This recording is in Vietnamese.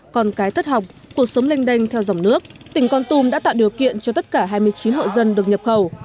còn cái thất học cuộc sống lênh đênh theo dòng nước tỉnh con tum đã tạo điều kiện cho tất cả hai mươi chín hộ dân được nhập khẩu